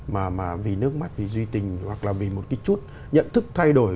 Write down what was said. mà vì nước mắt vì duy tình hoặc là vì một cái chút nhận thức thay đổi